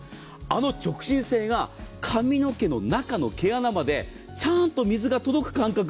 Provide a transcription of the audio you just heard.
あの直進性が髪の毛の中の毛穴までちゃんと水が届く感覚。